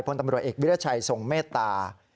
พลตำรวจเอกวิรัชัยทรงเมตตา